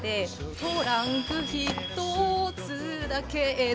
「トランク一つだけで」